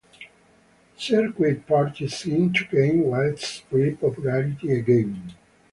Circuit parties seem to gain widespread popularity again.